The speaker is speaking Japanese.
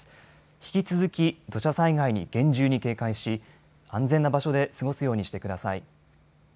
引き続き土砂災害に厳重に警戒し安全な場所で過ごすようにしてください。